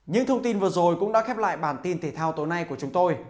những thông tin vừa rồi cũng đã khép lại bản tin thể thao tối nay của chúng tôi